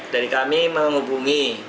dari kami menghubungi